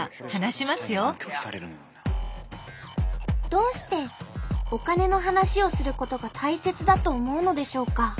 どうしてお金の話をすることが大切だと思うのでしょうか？